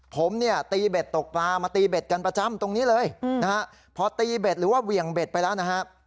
ผมเนี่ยตีเบ็ดตกปลามาตีเบ็ดกันประจำตรงนี้เลยนะฮะพอตีเบ็ดหรือว่าเหวี่ยงเบ็ดไปแล้วนะฮะ